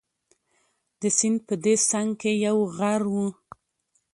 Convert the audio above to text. د سیند په دې څنګ کې یو غر وو.